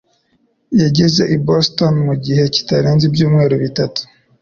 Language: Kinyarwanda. yageze i Boston mu gihe kitarenze ibyumweru bitatu.